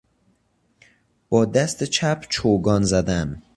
با دست چپ چوگان زدن